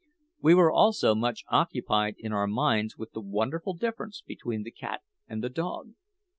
We were also much occupied in our minds with the wonderful difference between the cat and the dog.